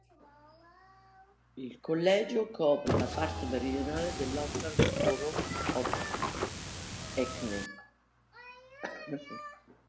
Il collegio copre la parte meridionale del London Borough of Hackney.